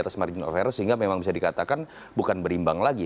sehingga memang bisa dikatakan bukan berimbang lagi